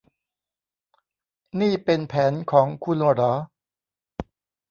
นี่เป็นแผนของคุณหรอ